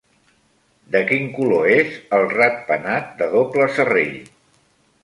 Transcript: De quin color és el ratpenat de doble serrell?